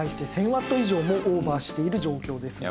ワット以上もオーバーしている状況です。